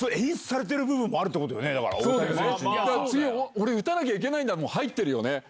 「俺打たなきゃいけないんだ」も入ってるよね。